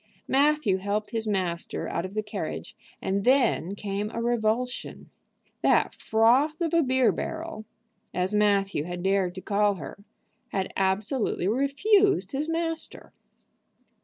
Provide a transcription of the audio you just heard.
Matthew helped his master out of the carriage, and then came a revulsion. That "froth of a beer barrel," as Matthew had dared to call her, had absolutely refused his master.